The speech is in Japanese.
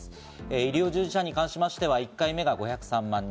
医療従事者に関しましては、１回目が５０３万人。